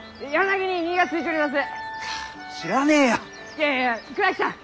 いやいやいや倉木さん！